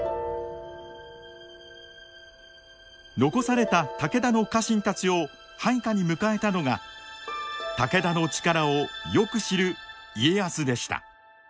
残された武田の家臣たちを配下に迎えたのが武田の力をよく知る家康でした。